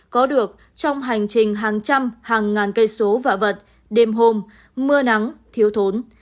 có được trong hành trình hàng trăm hàng ngàn cây số và vật đêm hôm mưa nắng thiếu thốn